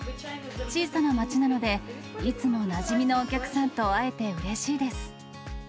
小さな街なので、いつもなじみのお客さんと会えてうれしいです。